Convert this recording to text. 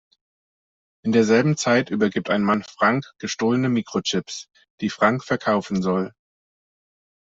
In derselben Zeit übergibt ein Mann Frank gestohlene Mikrochips, die Frank verkaufen soll.